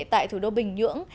tại thủ đô bình nhưỡng